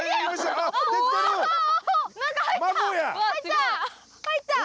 中入った！